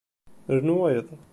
Rnu wayeḍ.